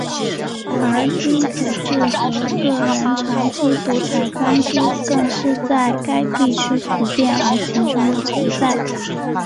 而君主制和个人长期独裁专制更是在该地区普遍而集中地存在。